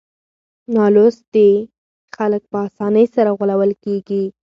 نالوستي خلک په اسانۍ سره غولول کېږي.